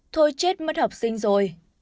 thôi chết mất học sinh rồi